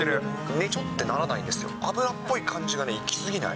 ねちょってならないんですよ、脂っぽい感じがいきすぎない。